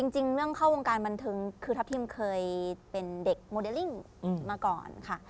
จริงเรื่องเข้าวงการบันเทิงคือทัพทิมเคยเป็นเด็กโมเดลลิ่งมาก่อนค่ะ